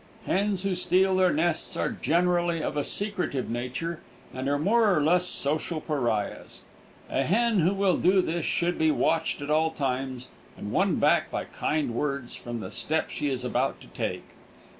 Hens who steal their nests are generally of a secretive nature and are more or less social pariahs. A hen who will do this should be watched at all times and won back by kind words from the step she is about to take.